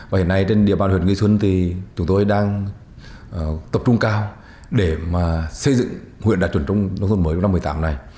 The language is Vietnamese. và hiện nay trên địa bàn huyện nguyễn xuân thì chúng tôi đang tập trung cao để xây dựng huyện đạt chuẩn nông thôn mới trong năm hai nghìn một mươi tám này